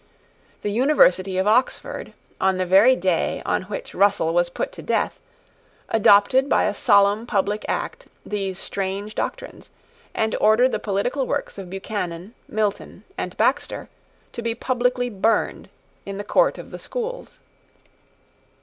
The university of Oxford, on the very day on which Russell was put to death, adopted by a solemn public act these strange doctrines, and ordered the political works of Buchanan, Milton, and Baxter to be publicly burned in the court of the Schools.